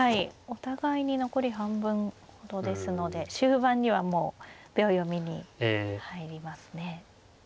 お互いに残り半分ほどですので終盤にはもう秒読みに入りますね。